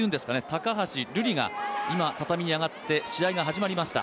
高橋瑠璃が今、畳に上がって試合が始まりました。